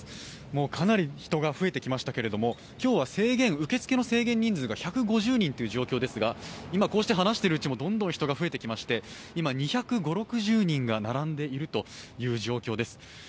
もうかなり人が増えてきましたけれども、今日は受付の制限人数が１５０人という状況ですが今こうして話しているうちもどんどん人が増えてきまして、今、２５０２６０人が並んでいるという状況です。